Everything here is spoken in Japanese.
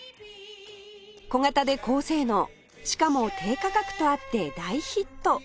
小型で高性能しかも低価格とあって大ヒット